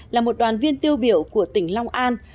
là một đoàn viên tiêu biểu của tỉnh long an